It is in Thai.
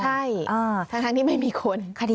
ใช่ทั้งที่ไม่มีคน